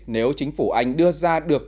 nếu chính phủ anh đưa ra được